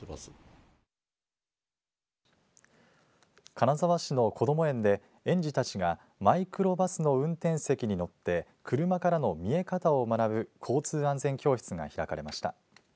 金沢市のこども園で園児たちがマイクロバスの運転席に乗って車からの見え方を学ぶ交通安全教室が開かれました。